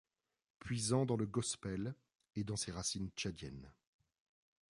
Puisant dans le gospel et dans ses racines tchadiennes.